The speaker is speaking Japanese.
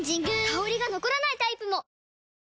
香りが残らないタイプも！